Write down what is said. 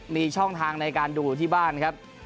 มีช่องทางในการดูที่บ้านนะครับ